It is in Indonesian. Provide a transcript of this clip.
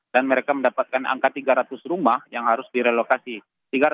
dan mereka mendapatkan angka tiga ratus rumah yang harus direlokasi